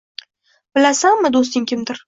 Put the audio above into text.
Bilasanmi, do’sting kimdir